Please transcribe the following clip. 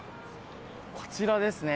こちらですね。